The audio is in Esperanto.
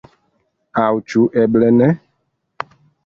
Aŭ ĉu eble ne?